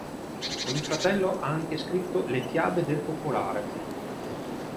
Con il fratello ha anche scritto le "Fiabe del focolare".